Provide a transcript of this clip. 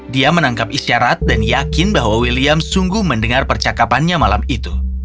dia menangkap isyarat dan yakin bahwa william sungguh mendengar percakapannya malam itu